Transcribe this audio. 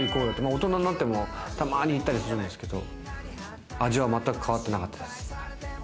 大人になっても、たまに行ったりするんですけれども、味はまったく変わってなかったです。